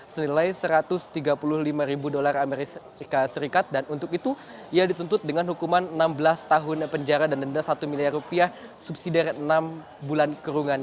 senilai satu ratus tiga puluh lima ribu dolar amerika serikat dan untuk itu ia dituntut dengan hukuman enam belas tahun penjara dan denda satu miliar rupiah subsidi dari enam bulan kerungan